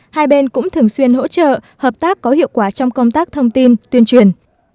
hai bên cũng thường xuyên hỗ trợ hợp tác có hiệu quả trong công tác thông tin tuyên truyền